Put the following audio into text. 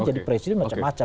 jadi presiden macam macam